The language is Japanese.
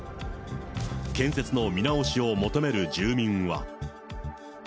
建設の見直しを求める住民は。